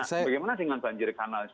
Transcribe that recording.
bagaimana dengan banjir kanal